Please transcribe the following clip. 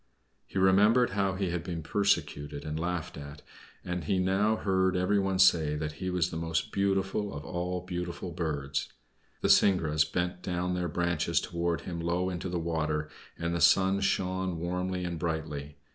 He remembered how he had been persecuted and laughed at, and he now heard everyone say that he was the most beautiful of all beautiful birds. The syringas bent down their branches toward him low into the water, and the sun shone warmly and brightly.